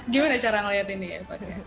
gimana cara ngeliat ini ya pak